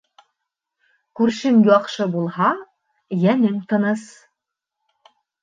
Күршең яҡшы булһа, йәнең тыныс.